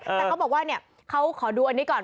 แต่เขาบอกว่าเนี่ยเขาขอดูอันนี้ก่อน